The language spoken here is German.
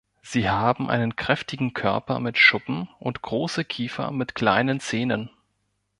Sie haben einen kräftigen Körper mit Schuppen und große Kiefer mit kleinen Zähnen.